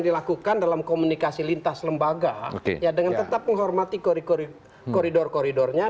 dilakukan dalam komunikasi lintas lembaga ya dengan tetap menghormati koridor koridornya